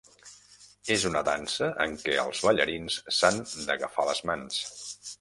És una dansa en què els ballarins s'han d'agafar les mans.